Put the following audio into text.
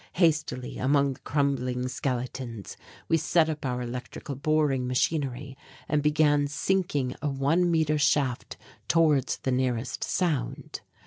Hastily, among the crumbling skeletons, we set up our electrical boring machinery and began sinking a one metre shaft towards the nearest sound.